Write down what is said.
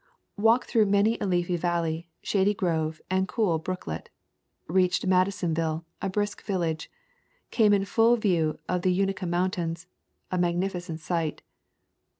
Walked through many a leafy valley, shady grove, and cool brooklet. Reached Madison ville, a brisk village. Came in full view of the Unaka Mountains, a magnificent sight.